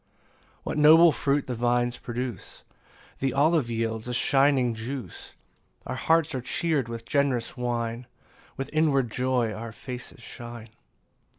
11 What noble fruit the vines produce! The olive yields a shining juice; Our hearts are cheer'd with gen'rous wine, With inward joy our faces shine.